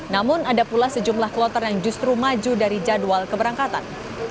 namun ada pula sejumlah kloter yang justru maju dari jadwal keberangkatan